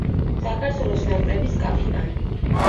საქართველოს ნაკრების კაპიტანი.